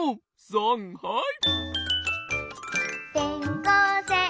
さんはい！